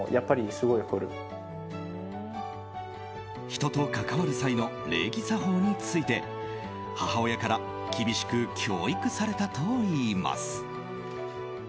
人と関わる際の礼儀作法について母親から厳しく教育されたといいます。